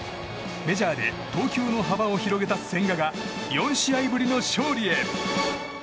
メジャーで投球の幅を広げた千賀が４試合ぶりの勝利へ。